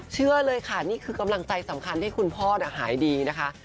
เชื่อเลยค่ะนี่คือกำลังใจสำคัญที่คุณพ่อหายดีนะคะ